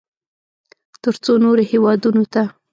ترڅو نورو هېوادونو ته